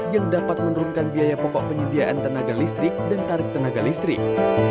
yang dapat menurunkan biaya pokok penyediaan tenaga listrik dan tarif tenaga listrik